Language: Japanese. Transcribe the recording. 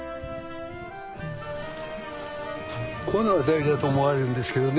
この辺りだと思われるんですけどね